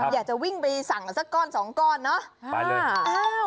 อยากจะวิ่งไปสั่งกันสักก้อนสองก้อนเนาะ